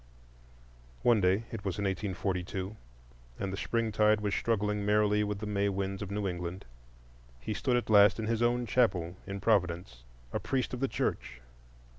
One day—it was in 1842, and the springtide was struggling merrily with the May winds of New England—he stood at last in his own chapel in Providence, a priest of the Church.